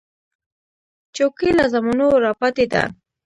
چوکۍ له زمانو راپاتې ده.